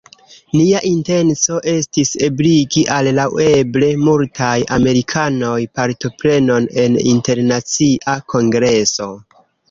nia intenco estis ebligi al laŭeble multaj amerikanoj partoprenon en internacia kongreso.